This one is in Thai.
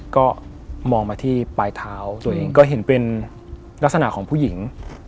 ก็มองมาที่ปลายเท้าตัวเองก็เห็นเป็นลักษณะของผู้หญิง